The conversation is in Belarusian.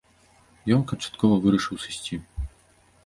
Ён канчаткова вырашыў сысці.